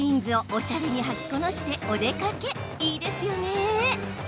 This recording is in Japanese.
おしゃれにはきこなしてお出かけいいですよね。